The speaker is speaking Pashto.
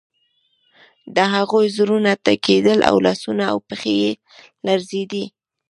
د هغوی زړونه ټکیدل او لاسونه او پښې یې لړزیدې